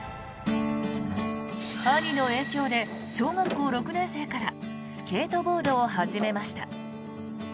兄の影響で小学校６年生からスケートボードを始めました。